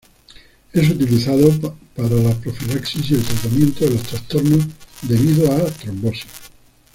Es utilizado para la profilaxis y el tratamiento de los trastornos debidos a trombosis.